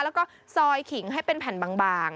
แล้วก็ซอยขิงให้เป็นแผ่นบาง